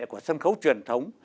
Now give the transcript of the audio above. của sân khấu truyền thống